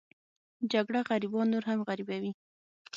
جګړه غریبان نور هم غریبوي